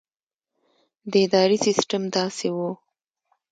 د ادارې سسټم داسې وو.